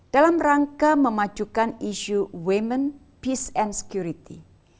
dalam rangka memajukan isu women peace and security